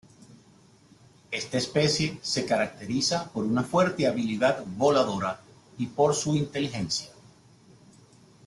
Esta especie se caracteriza por una fuerte habilidad voladora y por su inteligencia.